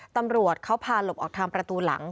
ตำรวจเขาพาหลบออกทางประตูหลัง